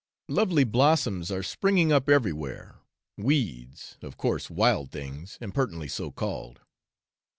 Lovely blossoms are springing up everywhere, weeds, of course, wild things, impertinently so called.